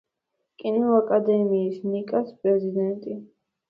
კინოაკადემიის ნიკას პრეზიდენტი.